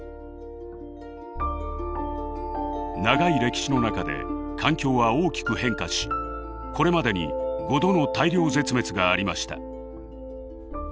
長い歴史の中で環境は大きく変化しこれまでに５度の大量絶滅がありました。